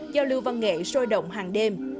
giao lưu văn nghệ sôi động hàng đêm